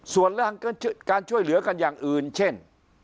ส่วนเรื่องการช่วยเหลือกันอย่างอื่นเช่น